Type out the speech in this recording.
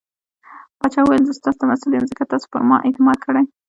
پاچا وويل :زه ستاسو ته مسوول يم ځکه تاسو پرما اعتماد کړٸ .